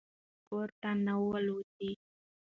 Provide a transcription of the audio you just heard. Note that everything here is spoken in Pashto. مارغان ګور ته نه وو الوتلي.